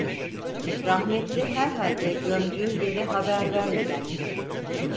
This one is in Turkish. Rahmetli herhalde gömdüğü yeri haber vermeden gitti.